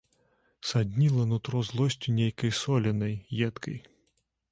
Садніла нутро злосцю нейкай соленай, едкай.